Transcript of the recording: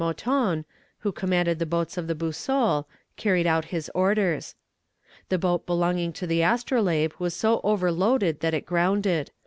Mouton, who commanded the boats of the Boussole, carried out his orders. "The boat belonging to the Astrolabe was so overloaded that it grounded.